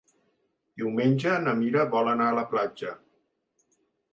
Diumenge na Mira vol anar a la platja.